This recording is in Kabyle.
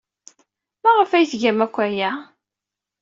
Maɣef ay tgam akk aya?